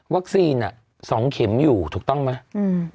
วัคซีน๒เข็มอยู่ถูกต้องไหม